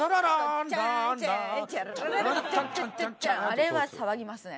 あれは騒ぎますね。